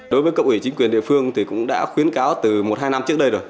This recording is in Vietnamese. đối với cộng ủy chính quyền địa phương thì cũng đã khuyến cáo từ một hai năm trước đây rồi